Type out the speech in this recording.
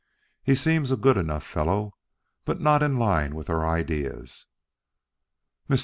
He seems a good enough fellow, but not in line with our ideas." Mr.